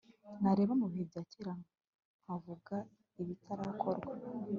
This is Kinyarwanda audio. nareba mu bihe bya kera nkavuga ibitarakorwa